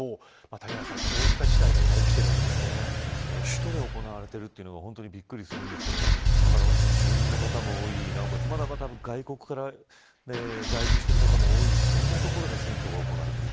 谷原さん、こういった事態がこれが首都で行われているというのがびっくりしますが風間さん、住民の方も多い中外国から在留している方も多いそんな所で戦闘が行われている。